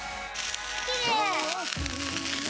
きれい。